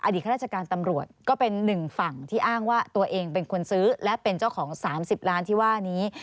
ข้าราชการตำรวจก็เป็นหนึ่งฝั่งที่อ้างว่าตัวเองเป็นคนซื้อและเป็นเจ้าของ๓๐ล้านที่ว่านี้